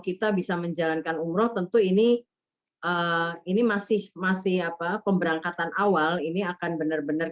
kita bisa menjalankan umroh tentu ini ini masih masih apa pemberangkatan awal ini akan benar benar